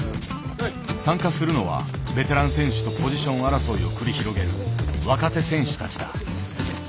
参加するのはベテラン選手とポジション争いを繰り広げる若手選手たちだ。